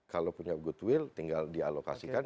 kalau punya goodwill tinggal dialokasikan